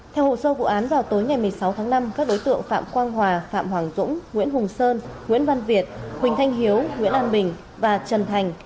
theo hồ sơ vụ án vào tối ngày một mươi sáu tháng năm các đối tượng phạm quang hòa phạm hoàng dũng nguyễn hùng sơn nguyễn văn việt huỳnh thanh hiếu nguyễn an bình và trần thành